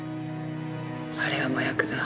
あれは麻薬だ。